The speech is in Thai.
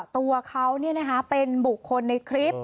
ตัวเขาเนี่ยนะคะเป็นบุคคลในคลิป